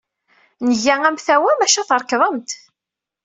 Nga amtawa, maca trekḍem-t.